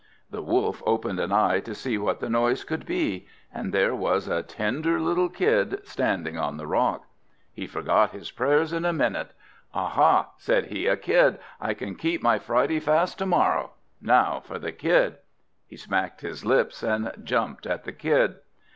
The Wolf opened an eye to see what the noise could be, and there was a tender little Kid, standing on the rock. He forgot his prayers in a minute. "Aha!" said he. "A Kid! I can keep my Friday fast to morrow. Now for the Kid!" He smacked his lips, and jumped at the Kid.